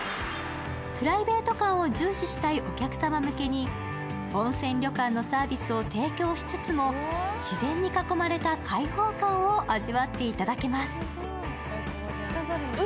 プライベート感を重視したいお客様向けに温泉旅館のサービスを提供しつつも、自然に囲まれた開放感を味わっていただけます。